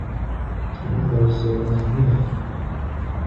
سَنَدْعُ الزَّبَانِيَةَ